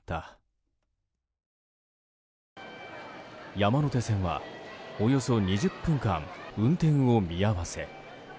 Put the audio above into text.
山手線は、およそ２０分間運転を見合わせ。